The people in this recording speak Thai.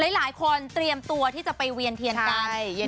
หลายคนเตรียมตัวที่จะไปเวียนเทียนกัน